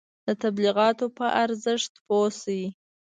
د تبلیغاتو په ارزښت پوه شئ.